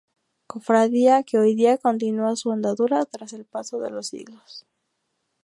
Cofradía que hoy día continúa su andadura tras el paso de los siglos.